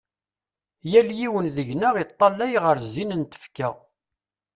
Yal yiwen deg-nneɣ iṭṭalay ɣer zzin n tfekka.